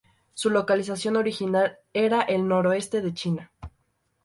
Su localización original era el noreste de China.